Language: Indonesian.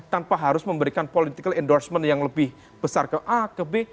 tanpa harus memberikan political endorsement yang lebih besar ke a ke b